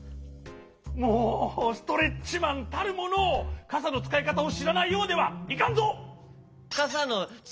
もうストレッチマンたるものかさのつかいかたをしらないようではいかんぞ！